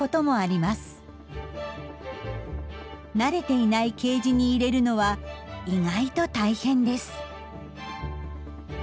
慣れていないケージに入れるのは意外と大変です。